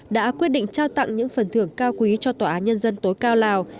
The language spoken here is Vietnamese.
đã quyết định trao tặng những phần thưởng cao quý cho tòa án nhân dân tối cao lào